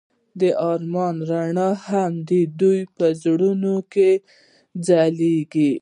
د آرمان رڼا هم د دوی په زړونو کې ځلېده.